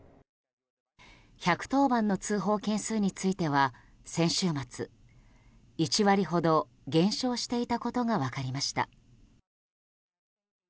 １１０番の通報件数については先週末１割ほど減少していたことが分かりました。